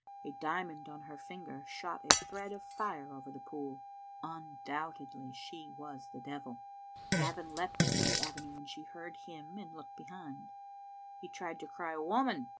A diamond on her finger shot a thread of fire over the pool. Undoubtedly she was the devil. Gavin leaped into the avenue, and she heard him and looked behind. He tried to cry " Woman